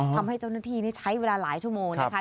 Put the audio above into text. ทำให้เจ้าหน้าที่นี่ใช้เวลาหลายชั่วโมงนะคะ